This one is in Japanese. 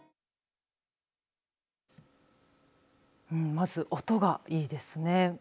まず、音がいいですね。